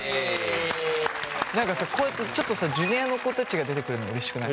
何かさこうやってちょっとさジュニアの子たちが出てくれるのうれしくない？